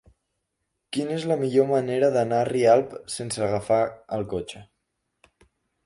Quina és la millor manera d'anar a Rialp sense agafar el cotxe?